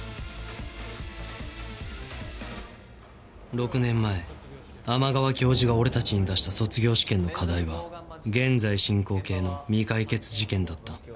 ６年前天川教授が俺たちに出した卒業試験の課題は現在進行形の未解決事件だった